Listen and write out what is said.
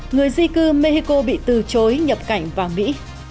người di cư mexico bị từ chối nhập cảnh vào mỹ